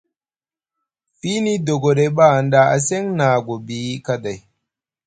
Fiini dogoɗay ba hanɗa a seŋ na gobi kaday.